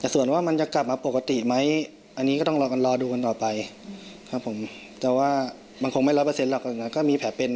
ส่วนว่ามันจะกลับมาปกติไหมต้องรอก็รอดูักันต่อไปครับผม